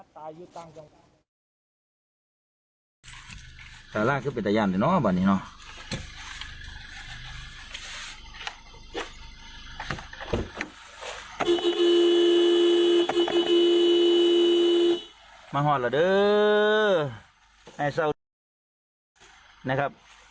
ก็เป็นตัวยานเนี้ยเนอะว่าเนี้ยเนอะ